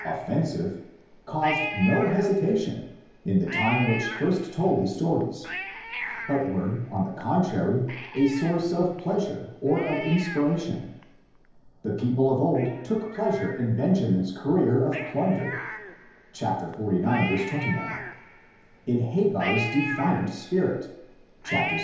offensive caused no hesitation in the time which first told the stories, but were, on the contrary, a source of pleasure or of inspiration. The people of old took pleasure in Benjamin's career of plunder (xlix. 29), in Hagar's defiant spirit (xvi.)